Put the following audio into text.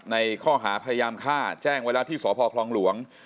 ในข้อหาพยายามฆ่าแจ้งเวลาที่สพหลวง